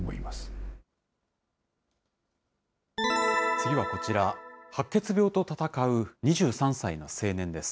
次はこちら、白血病と闘う２３歳の青年です。